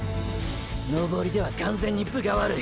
登りでは完全に分が悪い。